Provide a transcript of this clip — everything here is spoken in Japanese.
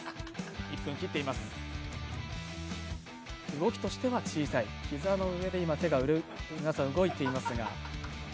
動きとしては小さい、膝の上で皆さん、手が動いていますが。